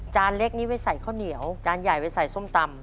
เล็กนี้ไว้ใส่ข้าวเหนียวจานใหญ่ไปใส่ส้มตำ